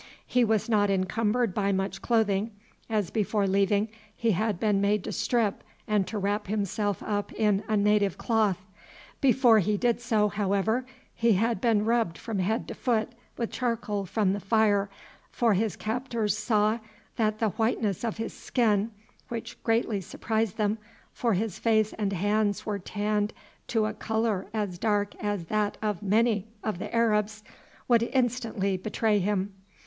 He was not encumbered by much clothing, as before leaving he had been made to strip and to wrap himself up in a native cloth. Before he did so, however, he had been rubbed from head to foot with charcoal from the fire, for his captors saw that the whiteness of his skin, which greatly surprised them, for his face and hands were tanned to a colour as dark as that of many of the Arabs, would instantly betray him.